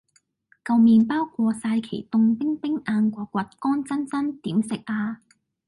舊麵包過晒期凍冰冰硬掘掘乾爭爭點食呀